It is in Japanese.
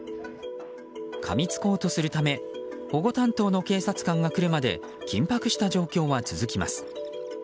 かみつこうとするため保護担当の警察官が来るまで緊迫した状況は続きます。